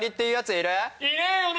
いねえよな！